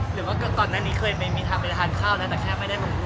หรือว่าก่อนนั้นนี่เคยไม่มีท่านเพื่อทานข้าวนะแต่แค่ไม่ได้นุ่มหลูก